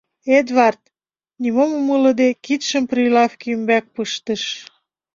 Эдвард, нимом умылыде, кидшым прилавке ӱмбак пыштыш.